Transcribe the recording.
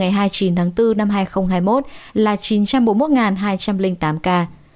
tịch bốn từ ngày hai mươi chín tháng bốn năm hai nghìn hai mươi một là chín trăm bốn mươi một hai trăm linh tám ca